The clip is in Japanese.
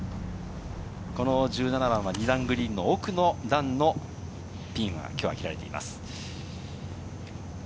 １７番は２段グリーンの奥の段のピンがきょうは切られています。